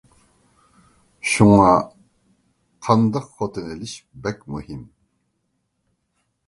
شۇڭا قانداق خوتۇن ئېلىش بەك مۇھىم.